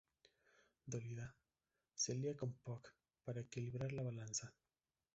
Dolida, se lía con Puck para equilibrar la balanza.